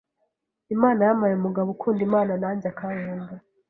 Imana yampaye umugabo ukunda Imana nanjye akankunda,